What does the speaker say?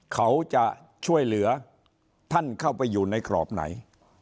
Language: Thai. เขาจะช่วยเหลือท่านเข้าไปอยู่ในกรอบไหน